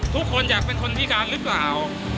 ทุกคนอยากเป็นคนพิการหรือเปล่า